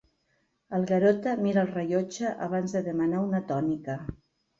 El Garota mira el rellotge abans de demanar una tònica.